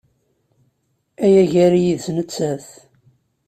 Aya gar-i yid-s nettat.